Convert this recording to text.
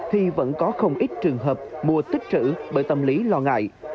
thì vẫn có không ít trường hợp mua tích trữ bởi tâm lý lo ngại